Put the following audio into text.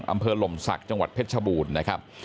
อำเภอหล่มศักดิ์จังหวัดพฤษบูรณ์นะครับ